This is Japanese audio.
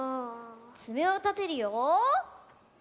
つめをたてるよ。